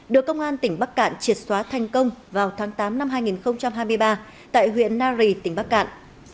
được công an tỉnh bắc cạn triệt xóa thành công vào tháng tám năm hai nghìn hai mươi ba tại huyện nari tỉnh bắc cạn